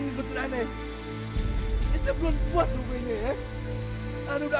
ini belum buat rupanya ya